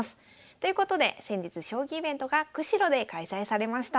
ということで先日将棋イベントが釧路で開催されました。